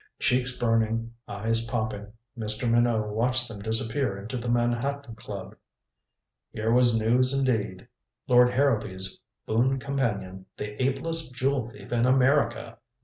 Cheeks burning, eyes popping, Mr. Minot watched them disappear into the Manhattan Club. Here was news indeed. Lord Harrowby's boon companion the ablest jewel thief in America!